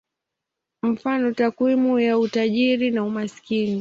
Mfano: takwimu ya utajiri na umaskini.